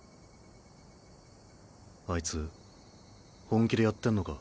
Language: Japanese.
あいつ本気でやってんのか？